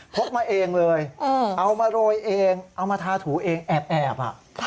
กมาเองเลยเอามาโรยเองเอามาทาถูเองแอบ